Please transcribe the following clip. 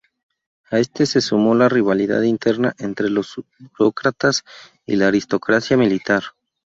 A esto se sumó la rivalidad interna entre los burócratas y la aristocracia militar.